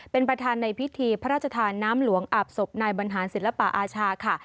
เป็นประธานในพิธีพระราชทานน้ำหลวงอาบศพนายบรรหารศิลปะอาชาค่ะ